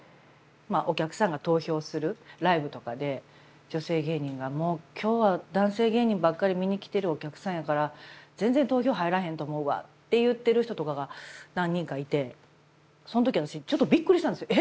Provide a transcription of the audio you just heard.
お客さんが投票するライブとかで女性芸人がもう今日は男性芸人ばっかり見に来てるお客さんやから全然投票入らへんと思うわって言ってる人とかが何人かいてその時私ちょっとびっくりしたんですよ。